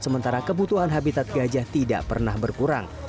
sementara kebutuhan habitat gajah tidak pernah berkurang